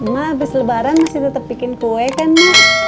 ma abis lebaran masih tetep bikin kue kan ma